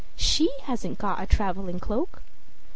she hasn't got a traveling cloak!"